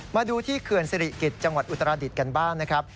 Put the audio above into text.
มาดูที่เขื่อนสิริกิจจังหวัดอุตราดิษฐ์กันบ้างนะครับ